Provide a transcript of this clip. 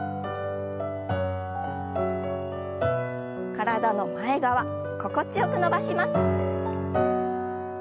体の前側心地よく伸ばします。